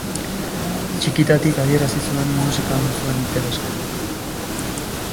Txikitatik adierazi zuen musikan zuen interesa.